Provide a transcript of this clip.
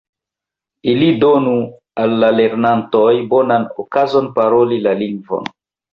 Ili donu al la lernantoj bonan okazon paroli la lingvon.